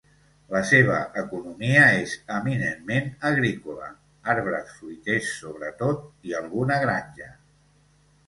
La seva economia és eminentment agrícola, arbres fruiters sobretot; i alguna granja.